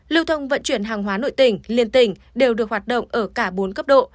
lưu thông vận chuyển hàng hóa nội tỉnh liên tỉnh đều được hoạt động ở cả bốn cấp độ